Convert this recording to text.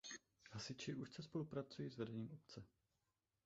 Hasiči úzce spolupracují s vedením obce.